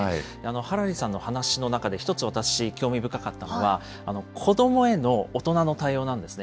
ハラリさんの話の中で、一つ私、興味深かったのは、子どもへの大人の対応なんですね。